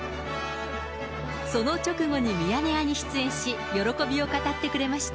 その直後にミヤネ屋に出演し、喜びを語ってくれました。